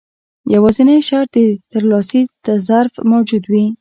يوازنی شرط د ترلاسي ظرف موجود وي.